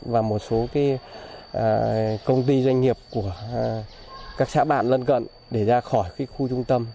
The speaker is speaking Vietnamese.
và một số công ty doanh nghiệp của các xã bạm lần cận để ra khỏi khu trung tâm